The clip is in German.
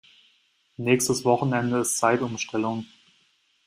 Nächstes Wochenende ist Zeitumstellung.